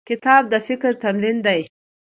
کتاب د فکر تمرین دی.